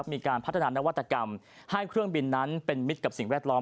มีการพัฒนานวัตกรรมให้เครื่องบินนั้นเป็นมิตรกับสิ่งแวดล้อม